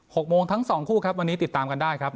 หกโมงทั้งสองคู่ครับวันนี้ติดตามกันได้ครับ